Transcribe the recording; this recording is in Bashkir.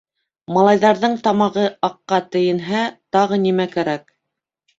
Малайҙарының тамағы аҡҡа тейенһә, тағы нимә кәрәк?